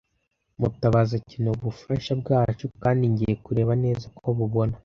Mutabazi akeneye ubufasha bwacu kandi ngiye kureba neza ko abubona.